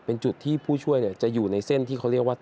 เป็นจุดที่ผู้ช่วยจะอยู่ในเส้นที่เขาเรียกว่า